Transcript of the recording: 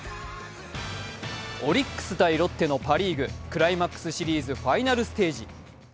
オリックス×ロッテのパ・リーグクライマックスシリーズファイナルステージ。